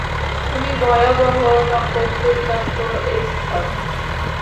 তুমি ভয়াবহরকম দুর্দান্ত, এস্থার।